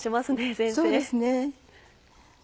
そうですね。